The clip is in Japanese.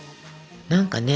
何かね